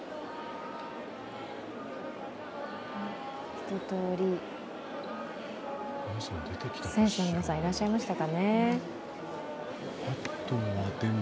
一とおり選手の皆さんいらっしゃいましたかね。